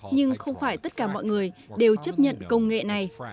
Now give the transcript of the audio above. nhưng không phải tất cả mọi người đều chấp nhận công nghệ này